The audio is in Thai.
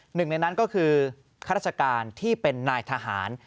หนึ่งในนั้นก็คือข้าราชการที่เป็นนายทหาร